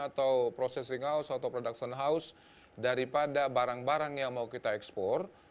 atau processing house atau production house daripada barang barang yang mau kita ekspor